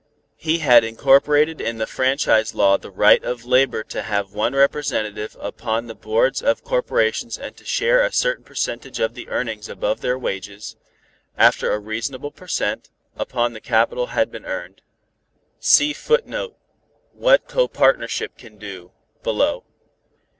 He had incorporated in the Franchise Law the right of Labor to have one representative upon the boards of corporations and to share a certain percentage of the earnings above their wages, after a reasonable per cent, upon the capital had been earned. [Footnote: See WHAT CO PARTNERSHIP CAN DO below.